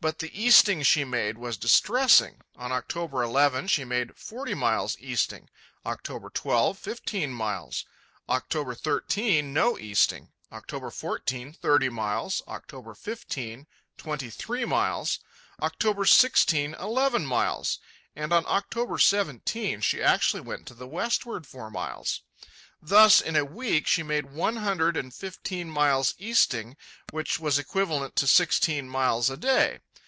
But the easting she made was distressing. On October 11, she made forty miles easting; October 12, fifteen miles; October 13, no easting; October 14, thirty miles; October 15, twenty three miles; October 16, eleven miles; and on October 17, she actually went to the westward four miles. Thus, in a week she made one hundred and fifteen miles easting, which was equivalent to sixteen miles a day.